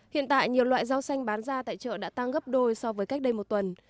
hiện tại nhiều loại rau xanh bán ra tại chợ đã tăng gấp đôi so với cách đây một tuần